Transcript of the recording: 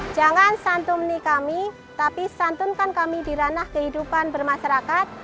jangan santum nih kami tapi santunkan kami di ranah kehidupan bermasyarakat